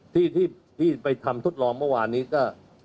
ที่ไปทำทดลองเมื่อวานนี้ก็